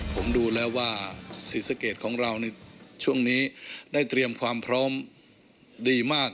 ผมดูแล้วว่าศรีสะเกดของเรานี่ช่วงนี้ได้เตรียมความพร้อมดีมาก